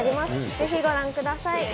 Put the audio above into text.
ぜひご覧ください。